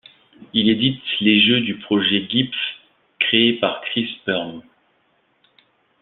Il édite les jeux du Projet Gipf, créés par Kris Burm.